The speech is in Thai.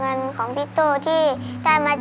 คุณแม่รู้สึกยังไงในตัวของกุ้งอิงบ้าง